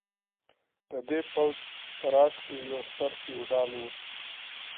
د دې پوځ په راس کې یو ستر فیوډال و.